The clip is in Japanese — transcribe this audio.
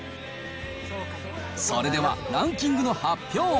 それではランキングの発表。